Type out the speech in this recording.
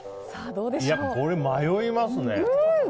これ迷いますね。